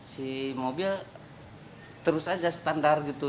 si mobil terus aja standar gitu